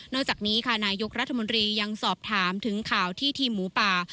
จากนี้ค่ะนายกรัฐมนตรียังสอบถามถึงข่าวที่ทีมหมูป่า